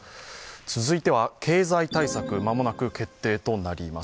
続いては経済対策間もなく決定となります。